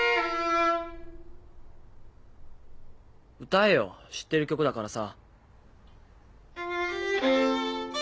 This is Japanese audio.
歌えよ知ってる曲だからさ。